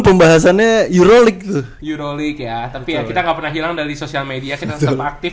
pembahasannya euro league euro league ya tapi kita nggak pernah hilang dari sosial media kita aktif